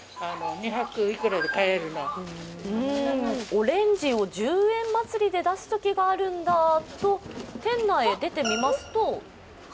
オレンジを１０円祭りで出すときがあるんだと店内へ出てみますと。